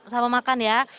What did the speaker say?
sama makan ya